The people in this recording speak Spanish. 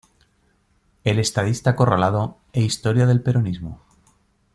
El estadista acorralado" e "Historia del Peronismo.